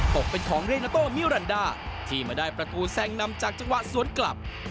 ตกเป็นของเรนาโตมิรันดาที่มาได้ประตูแซงนำจากจังหวะสวนกลับ